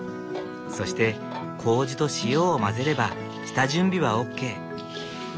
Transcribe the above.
そして麹と塩を混ぜれば下準備はＯＫ。